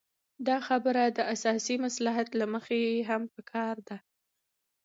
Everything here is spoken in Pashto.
دا خبره له سیاسي مصلحت له مخې هم پکار ده.